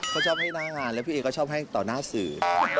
เขาชอบให้หน้างานแล้วพี่เอก็ชอบให้ต่อหน้าสื่อ